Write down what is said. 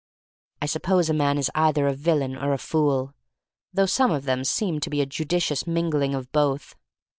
I suppose a man is either a villain or a fool, though some of them seem to be a judicious mingling of both.